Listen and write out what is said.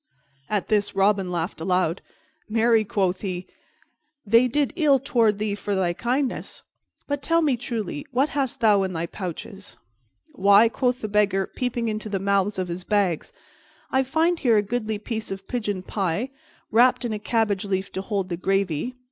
At this Robin laughed aloud. "Marry," quoth he, "they did ill toward thee for thy kindness. But tell me truly, what hast thou in thy pouches?" "Why," quoth the Beggar, peeping into the mouths of his bags, "I find here a goodly piece of pigeon pie, wrapped in a cabbage leaf to hold the gravy.